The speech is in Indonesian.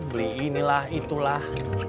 beli ini lah itu lah